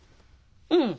うん。